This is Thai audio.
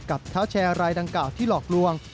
กับเท้าแชร์รายดังกล่าวที่หลอกลวง